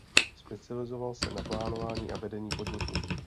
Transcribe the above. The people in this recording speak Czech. Specializoval se na plánování a vedení podniku.